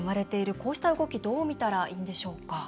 こうした動きどう見たらいいでしょうか？